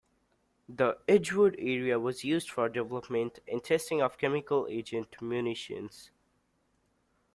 The Edgewood area was used for the development and testing of chemical agent munitions.